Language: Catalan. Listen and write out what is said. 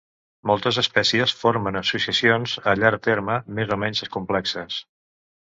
Moltes espècies formen associacions a llarg terme, més o menys complexes.